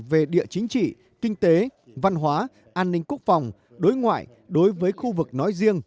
về địa chính trị kinh tế văn hóa an ninh quốc phòng đối ngoại đối với khu vực nói riêng